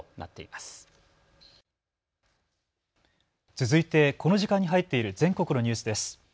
続いてこの時間に入っている全国のニュースです。